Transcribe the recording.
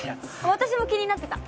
私も気になってた！